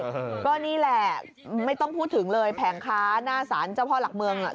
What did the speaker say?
ก็นี่แหละไม่ต้องพูดถึงเลยแผงค้าหน้าสารเจ้าพ่อหลักเมืองอ่ะ